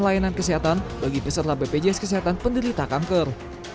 layanan kesehatan bagi peserta bpjs kesehatan penderita kanker